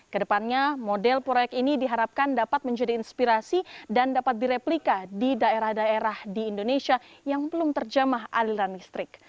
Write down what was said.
kedepannya model proyek ini diharapkan dapat menjadi inspirasi dan dapat direplika di daerah daerah di indonesia yang belum terjamah aliran listrik